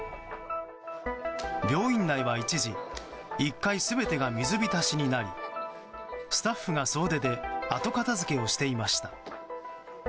病院内は一時１階全てが水浸しになりスタッフが総出で後片付けをしていました。